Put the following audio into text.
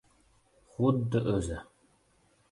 — Xuddi o‘zi!